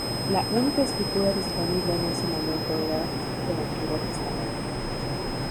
La única Escritura disponible en ese momento era el Antiguo Testamento.